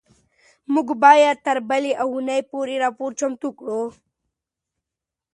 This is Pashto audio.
موږ به تر بلې اونۍ پورې راپور چمتو کړو.